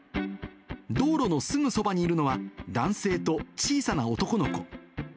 道路のすぐそばにいるのは、男性と小さな男の子。